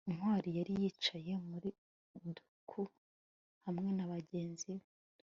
ntwali yari yicaye muri ducout hamwe na bagenzi be